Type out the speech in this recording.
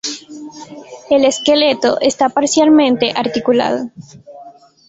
El esqueleto está parcialmente articulado.